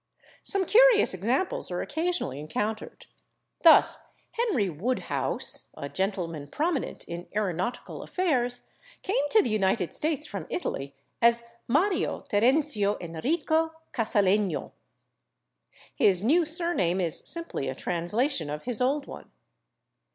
Some curious examples are occasionally encountered. Thus Henry /Woodhouse/, a gentleman prominent in aeronautical affairs, came to the United States from Italy as Mario Terenzio Enrico /Casalegno/; his new surname is simply a translation of his old one.